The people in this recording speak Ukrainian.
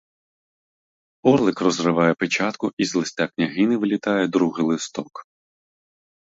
Орлик розриває печатку, і з листа княгині вилітає другий листок.